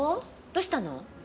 どうしたの？